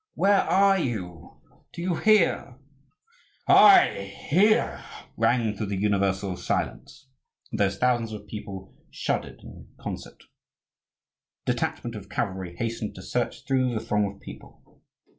where are you? do you hear?" "I hear!" rang through the universal silence, and those thousands of people shuddered in concert. A detachment of cavalry hastened to search through the throng of people.